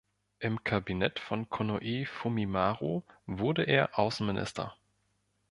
Im Kabinett von Konoe Fumimaro wurde er Außenminister.